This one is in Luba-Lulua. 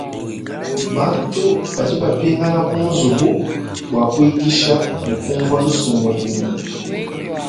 Bantu badi bapingana kunzubu bwa kuikisha ne kunvwa lusumwinu.